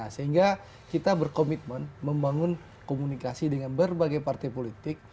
sehingga kita berkomitmen membangun komunikasi dengan berbagai partai politik